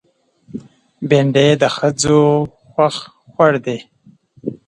بېنډۍ د ښځو خوښ خوړ دی